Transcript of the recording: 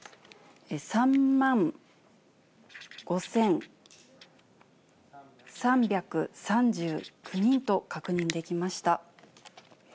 ３万５３３９人と確認できました。